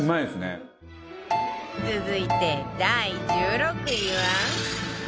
続いて第１６位は